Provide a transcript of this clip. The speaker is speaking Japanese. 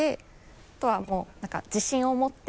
あとはもう何か自信を持って。